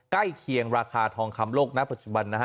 เคียงราคาทองคำโลกณปัจจุบันนะฮะ